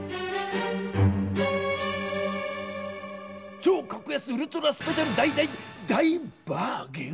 「超格安ウルトラスペシャル大大大バーゲン！！」？